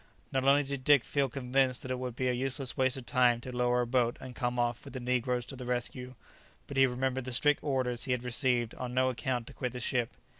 Not only did Dick feel convinced that it would be a useless waste of time to lower a boat and come off with the negroes to the rescue, but he remembered the strict orders he had received on no account to quit the ship.